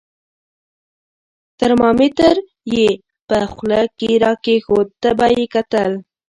ترمامیتر یې په خوله کې را کېښود، تبه یې کتل.